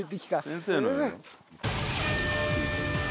先生のよ。